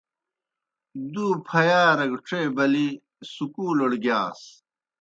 دْو پھیارہ گہ ڇے بلِی سکُولڑ گِیاس۔